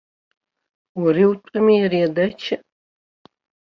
Уара иутәыми ари адача?